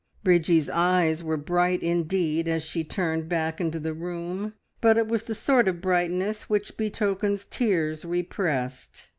Bridgie's eyes were bright indeed as she turned back into the room, but it was the sort of brightness which betokens tears repressed.